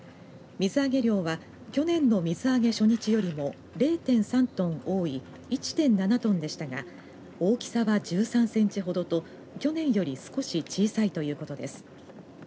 水揚げ量は去年の水揚げ初日よりも０．３トン多い１．７トンでしたが大きさは１３センチほどと去年より少し小さいということです。